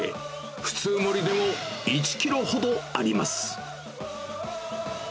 普通盛りでも１キロほどあります。